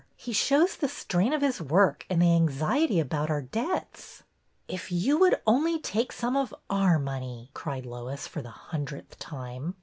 He shows the strain of his work and the anxiety about our debts." " If you would only take some of our money !" cried Lois, for the hundredth time.